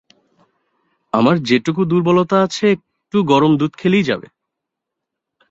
আমার যেটুকু দুর্বলতা আছে একটু গরম দুধ খেলেই যাবে।